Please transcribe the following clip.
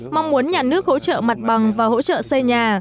mong muốn nhà nước hỗ trợ mặt bằng và hỗ trợ xây nhà